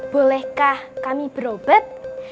bolehkah kami berobat